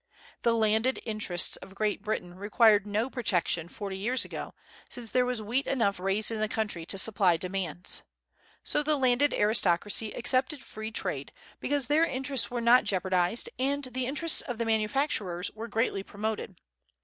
The landed interests of Great Britain required no protection forty years ago, since there was wheat enough raised in the country to supply demands. So the landed aristocracy accepted free trade, because their interests were not jeopardized, and the interests of the manufacturers were greatly promoted.